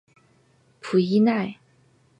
普伊奈。